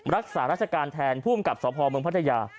รักษาราชการแทนผู้อำกับสพเมืองพัทยา